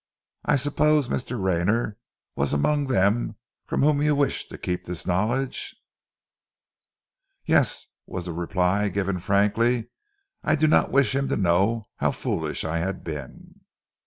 "I suppose Mr. Rayner was among them from whom you wished to keep this knowledge?" "Yes," was the reply, given frankly. "I did not wish him to know how foolish I had been."